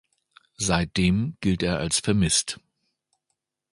Seitdem gilt er als vermisst.